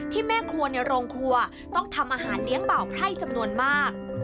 แม่ครัวในโรงครัวต้องทำอาหารเลี้ยงเบาไพร่จำนวนมาก